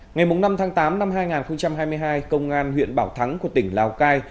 ngày năm tháng tám năm hai nghìn hai mươi hai công an huyện bảo thắng của tỉnh lào cai